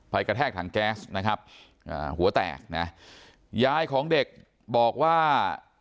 กระแทกถังแก๊สนะครับอ่าหัวแตกนะยายของเด็กบอกว่า